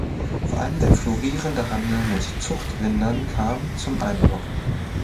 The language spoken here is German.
Vor allem der florierende Handel mit Zuchtrindern kam zum Einbruch.